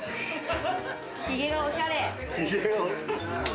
ひげがおしゃれ。